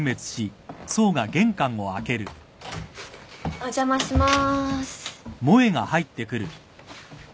お邪魔しまーす。